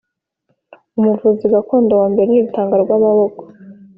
Umuvuzi gakondo wa mbere ni Rutangarwamaboko